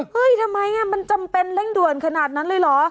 ทำไมมันจำเป็นเร่งด่วนขนาดนั้นเลยเหรอ